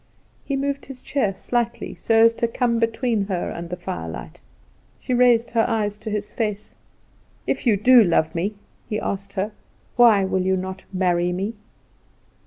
He moved his chair slightly, so as to come between her and the firelight. She raised her eyes to his face. "If you do love me," he asked her, "why will you not marry me?"